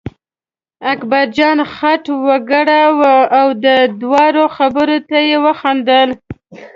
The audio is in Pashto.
اکبرجان څټ و ګراوه او د دواړو خبرو ته یې وخندل.